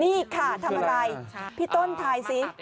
นี่ค่ะทำอะไรพี่ต้นถ่ายสิ